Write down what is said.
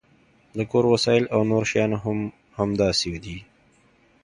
د کور وسایل او نور شیان هم همداسې دي